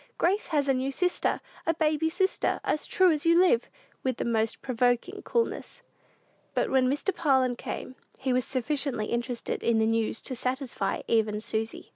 Grace has a new sister, a baby sister, as true as you live!" with the most provoking coolness. But when Mr. Parlin came, he was sufficiently interested in the news to satisfy even Susy.